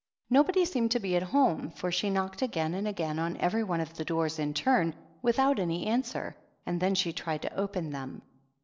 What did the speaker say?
No body seemed to be at home, for she knocked again and again on every one of the doors in turn with out any answer, and then she tried to open them.